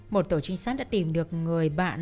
một tổ trinh sát đã tìm được người bạn